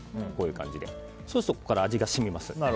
そうするとここから味が染みます。